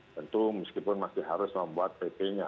tentu meskipun masih harus membuat pp nya